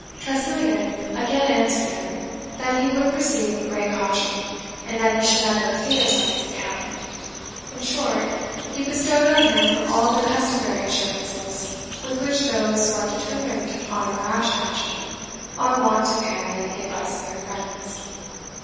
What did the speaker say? Tressilian again answered him, that he would proceed with great caution, and that he should have no fears on his account; in short, he bestowed on him all the customary assurances with which those who are determined on a rash action are wont to parry the advice of their friends.